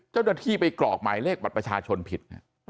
เจ้าหน้าที่ไปกรอกหมายเลขบัตรประชาชนผิด